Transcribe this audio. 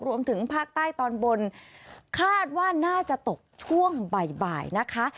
รวมถึงภาคใต้ตอนบนคาดว่าน่าจะตกช่วงบ่ายนะคะ